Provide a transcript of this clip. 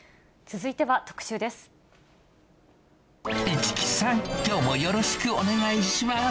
続いては特集です。